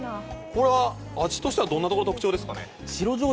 味としてはどんなところが特徴ですかね。